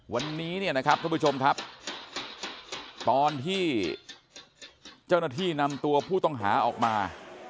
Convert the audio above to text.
วันนี้เนี่ยนะครับทุกผู้ชมครับตอนที่เจ้าหน้าที่นำตัวผู้ต้องหาออกมา